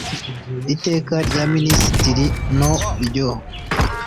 iteka rya ministitiri no ryo